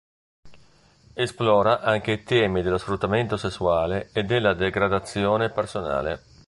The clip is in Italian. Esplora anche i temi dello sfruttamento sessuale e della degradazione personale.